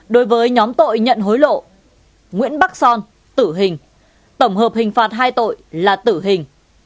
đối với nhóm tội nhận hối lộ nguyễn bắc son tử hình tổng hợp hình phạt hai tội là tử hình